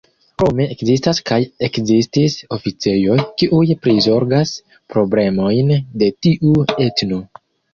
Krome ekzistas kaj ekzistis oficejoj, kiuj prizorgas problemojn de tiu etno.